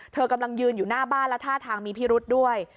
กำลังยืนอยู่หน้าบ้านและท่าทางมีพิรุษด้วย